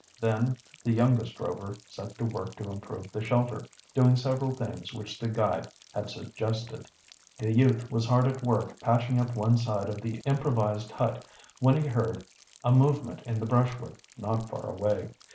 Then the youngest Rover set to work to improve the shelter, doing several things which the guide had suggested. The youth was hard at work patching up one side of the improvised hut when he heard a movement in the brushwood not far away.